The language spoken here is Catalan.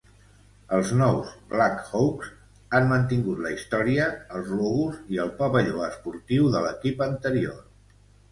Els "nous" Black Hawks han mantingut la història, els logos i el pavelló esportiu de l'equip anterior.